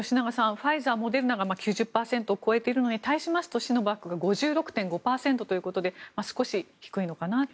ファイザー、モデルナが９０％を超えるのに対しましてシノバックが５６．５％ということで少し低いのかなと。